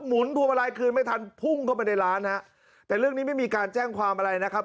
หนพวงมาลัยคืนไม่ทันพุ่งเข้าไปในร้านฮะแต่เรื่องนี้ไม่มีการแจ้งความอะไรนะครับ